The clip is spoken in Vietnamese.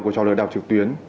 của trò lừa đảo trực tuyến